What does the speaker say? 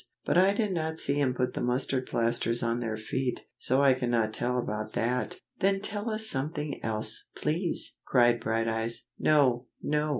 But I did not see him put the mustard plasters on their feet, so I cannot tell about that." "Then tell us something else, please!" cried Brighteyes. "No! no!"